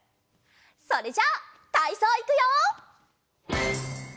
それじゃたいそういくよ。